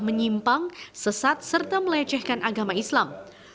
menyimpang sesat serta melecehkan agama islam